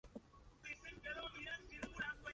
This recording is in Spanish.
Su estilo fue muchas veces satírico.